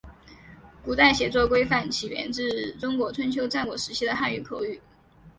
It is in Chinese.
古代写作规范起源自中国春秋战国时期的汉语口语。